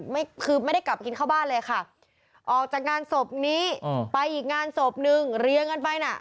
ไม่คือไม่ได้กลับกินเข้าบ้านเลยค่ะออกจากงานศพนี้ไปอีกงานศพนึงเรียงกันไปน่ะ